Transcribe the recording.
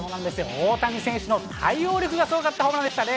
大谷選手の対応力がすごかったホームランでしたね。